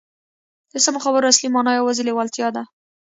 د سمو خبرو اصلي مانا یوازې لېوالتیا ده